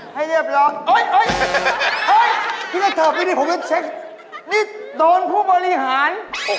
ให้เรียบร้อยอุ๊ยพี่เข้าไปนี่ผมเอาไปเช็คนี่โดนผู้บริหาร